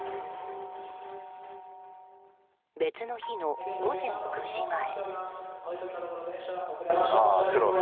別の日の午前９時前。